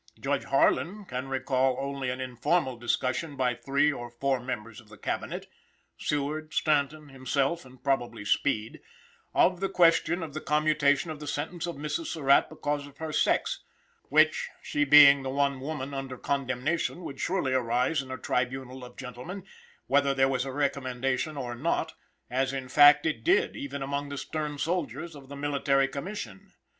Judge Harlan can recall only an informal discussion by three or four members of the Cabinet (Seward, Stanton, himself and probably Speed) of the question of the commutation of the sentence of Mrs. Surratt because of her sex; which, she being the one woman under condemnation, would surely arise in a tribunal of gentlemen, whether there was a recommendation or not, as in fact it did even among the stern soldiers of the Military Commission.